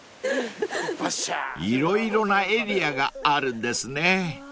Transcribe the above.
［色々なエリアがあるんですね］